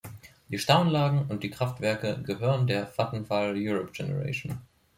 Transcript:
Die Stauanlagen und die Kraftwerke gehören der Vattenfall Europe Generation.